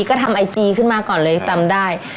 ก็ทำไอจีขึ้นมาก่อนเลยจำได้